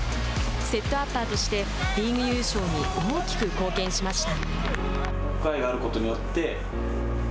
セットアッパーとしてリーグ優勝に大きく貢献しました。